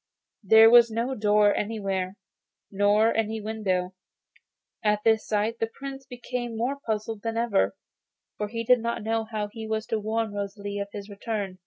There was no door anywhere, nor any window. At this sight the Prince became more puzzled than ever, for he did not know how he was to warn Rosalie of his return.